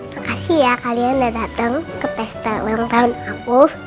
makasih ya kalian udah datang ke pesta ulang tahun aku